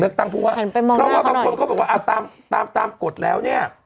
เลือกตั้งเพราะว่าเพราะว่าบางคนเขาบอกว่าอ่าตามตามตามกฎแล้วเนี้ย